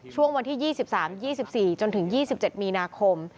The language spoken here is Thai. ช่วงวันที่๒๓๒๔จนถึง๒๗มีนาคม